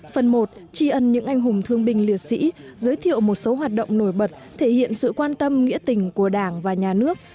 phần một tri ân những anh hùng thương binh liệt sĩ giới thiệu một số hoạt động nổi bật thể hiện sự quan tâm nghĩa tình của đảng và nhà nước